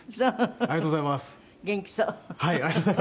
ありがとうございます。